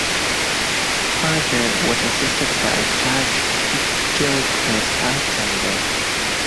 Carter was assisted by Judge Gilchrist Alexander.